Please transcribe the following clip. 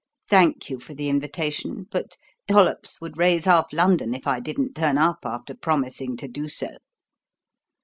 Thank you for the invitation, but Dollops would raise half London if I didn't turn up after promising to do so."